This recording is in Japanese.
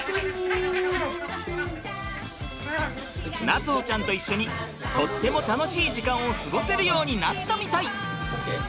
夏歩ちゃんと一緒にとっても楽しい時間を過ごせるようになったみたい！